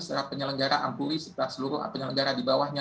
secara penyelenggara ampuri secara penyelenggara di bawahnya